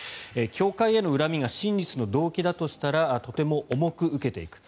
教会への恨みが真実の動機だとしたらとても重く受けていく。